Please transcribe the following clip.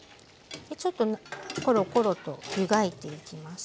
ちょっとコロコロと湯がいていきます。